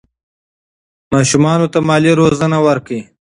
ماشومانو ته مالي روزنه ورکړئ.